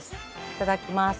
いただきます。